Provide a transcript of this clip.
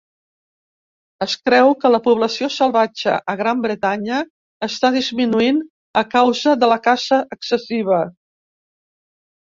Es creu que la població salvatge a Gran Bretanya està disminuint a causa de la caça excessiva.